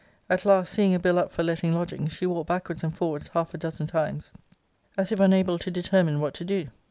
At last, seeing a bill up for letting lodgings, she walked backwards and forwards half a dozen times, as if unable to determine what to do.